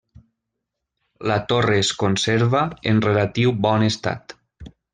La torre es conserva en relatiu bon estat.